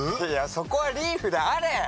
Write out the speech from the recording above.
いやそこはリーフであれ！